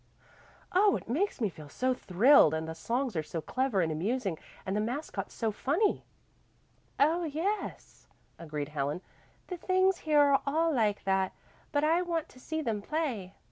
"Oh, it makes me feel so thrilled and the songs are so clever and amusing, and the mascots so funny." "Oh, yes," agreed Helen. "The things here are all like that, but I want to see them play."